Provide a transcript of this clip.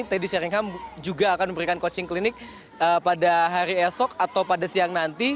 teddy sharingham juga akan memberikan coaching klinik pada hari esok atau pada siang nanti